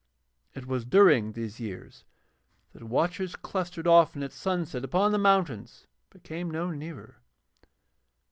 It was during these years that watchers clustered often at sunset upon the mountains but came no nearer.